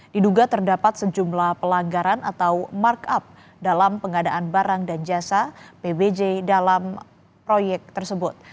diduga terdapat sejumlah pelanggaran atau markup dalam pengadaan barang dan jasa pbj dalam proyek tersebut